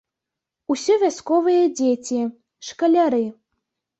Усё вясковыя дзеці, шкаляры.